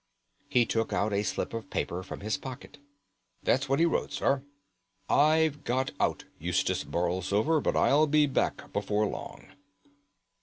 He took out a slip of paper from his pocket. "That's what he wrote, sir. 'I've got out, Eustace Borlsover, but I'll be back before long.'